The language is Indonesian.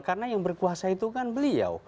karena yang berkuasa itu kan beliau